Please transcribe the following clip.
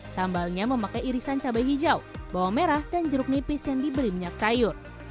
sambalnya memakai irisan cabai hijau bawang merah dan jeruk nipis yang dibeli minyak sayur